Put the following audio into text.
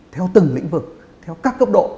theo từng lĩnh vực theo các cấp độ